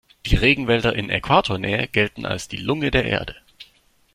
Die Regenwälder in Äquatornähe gelten als die Lunge der Erde.